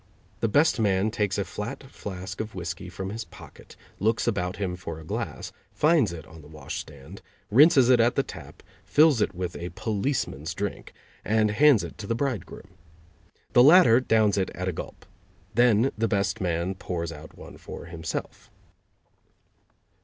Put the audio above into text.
The best man takes a flat flask of whiskey from his pocket, looks about him for a glass, finds it on the washstand, rinses it at the tap, fills it with a policeman's drink, and hands it to the bridegroom. The latter downs it at a gulp. Then the best man pours out one for himself.